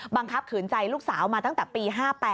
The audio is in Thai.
ขืนใจลูกสาวมาตั้งแต่ปี๕๘